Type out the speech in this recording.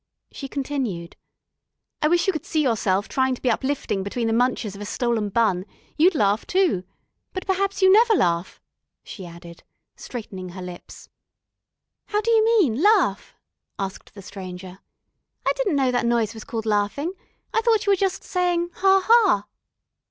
She continued: "I wish you could see yourself, trying to be uplifting between the munches of a stolen bun. You'd laugh too. But perhaps you never laugh," she added, straightening her lips. "How d'you mean laugh?" asked the Stranger. "I didn't know that noise was called laughing. I thought you were just saying 'Ha ha.'"